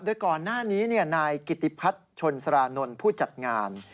โดยก่อนหน้านี้นายกิติพัฒน์ชนสารานนท์ผู้จัดงาน